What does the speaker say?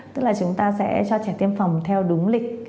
tức là chúng ta sẽ cho trẻ tiêm phòng theo đúng lịch